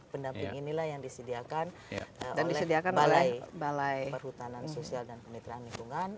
pendamping inilah yang disediakan oleh balai perhutanan sosial dan kemitraan lingkungan